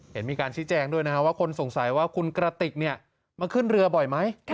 เห็นมีการชี้แจงด้วยนะครับว่าคนสงสัยว่าคุณกระติกมาขึ้นเรือบ่อยไหม